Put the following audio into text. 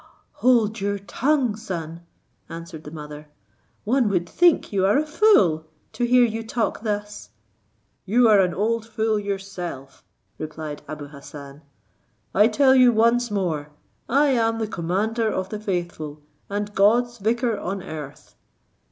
"Hold your tongue, son," answered the mother "one would think you are a fool, to hear you talk thus." "You are an old fool yourself," replied Abou Hassan; "I tell you once more I am the commander of the faithful, and God's vicar on earth!"